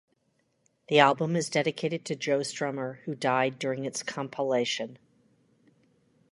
The album is dedicated to Joe Strummer, who died during its compilation.